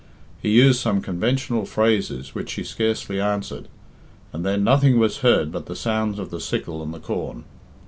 He used some conventional phrases which she scarcely answered, and then nothing was heard but the sounds of the sickle and the corn.